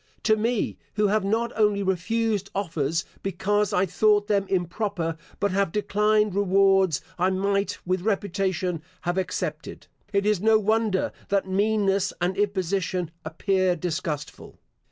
To me, who have not only refused offers, because I thought them improper, but have declined rewards I might with reputation have accepted, it is no wonder that meanness and imposition appear disgustful.